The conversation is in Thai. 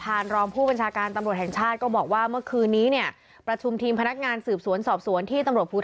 พารลอมผู้บรรชากรตำรวจแห่งชาติ